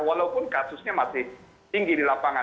walaupun kasusnya masih tinggi di lapangan